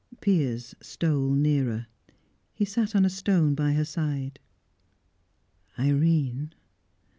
Piers stole nearer. He sat on a stone by her side. "Irene!"